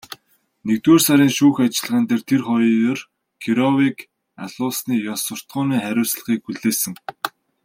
Нэгдүгээр сарын шүүх ажиллагаан дээр тэр хоёр Кировыг алуулсны ёс суртахууны хариуцлагыг хүлээсэн.